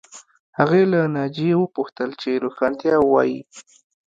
هغې له ناجیې وپوښتل چې رښتیا وایې